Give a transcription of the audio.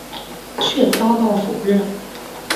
却遭到否认。